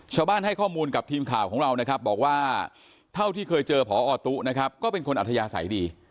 ให้ข้อมูลกับทีมข่าวของเรานะครับบอกว่าเท่าที่เคยเจอพอตุ๊นะครับก็เป็นคนอัธยาศัยดี